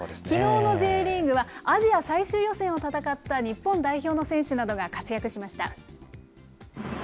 きのうのＪリーグは、アジア最終予選を戦った日本代表の選手などが活躍しました。